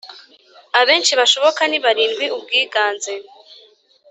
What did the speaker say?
abenshi bashoboka ni barindwi Ubwiganze